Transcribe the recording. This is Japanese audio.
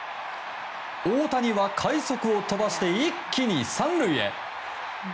大谷は快足を飛ばして一気に３塁へ。